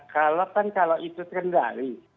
kalau itu terkendali